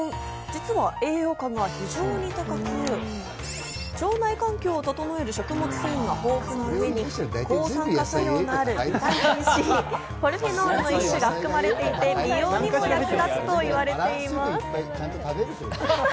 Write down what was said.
実は栄養価が非常に高く、腸内環境を整える食物繊維が豊富なうえに抗酸化作用があるビタミンＣ、ポリフェノールが含まれていて、美容にも役立つといわれています。